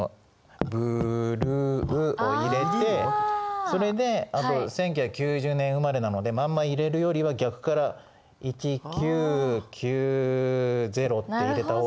Ｂｌｕｅを入れてそれであと１９９０年生まれなのでまんま入れるよりは逆から「１９９０」って入れた方がいいかな。